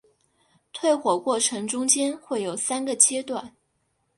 退火过程中间会有三个阶段。